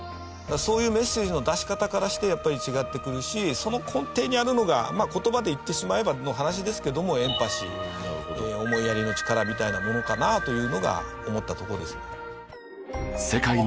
そういうメッセージの出し方からしてやっぱり違ってくるしその根底にあるのが言葉で言ってしまえばの話ですけどもエンパシー思いやりの力みたいなものかなというのが思ったところですね。